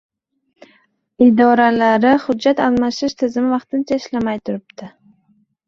Idoralarari hujjat alamshish tizimi vaqtincha ishlamay turibdi.